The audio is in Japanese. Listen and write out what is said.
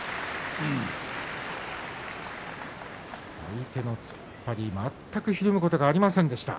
相手の突っ張りに全くひるむことはありませんでした。